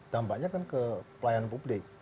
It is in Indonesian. dampaknya kan ke pelayanan publik